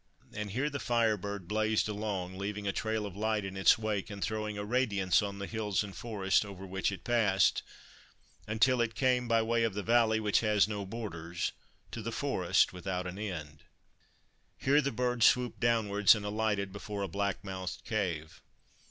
And here the Fire Bird blazed along, leaving a trail of light in its wake and throwing a radiance on the hills and forests over which it passed ; until it came, by way of the Valley which has no Borders, to the Forest without an End. Here the Bird swooped downwards and alighted before a black mouthed cave.